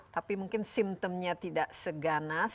tapi mungkin simptomnya tidak seganas